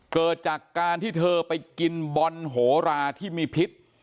เกิดจากการที่เธอไปกินบอลโหราที่มีพิษ